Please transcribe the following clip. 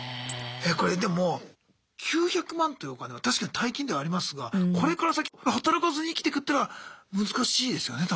えこれでも９００万というお金は確かに大金ではありますがこれから先働かずに生きてくってのは難しいですよね多分。